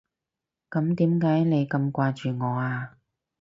噉你點解咁掛住我啊？